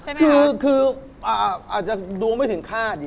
ใช่ไหมครับคืออาจจะดวงไม่ถึงคาด